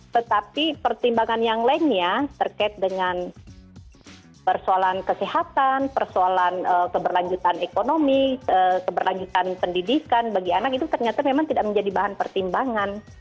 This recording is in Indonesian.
tetapi pertimbangan yang lainnya terkait dengan persoalan kesehatan persoalan keberlanjutan ekonomi keberlanjutan pendidikan bagi anak itu ternyata memang tidak menjadi bahan pertimbangan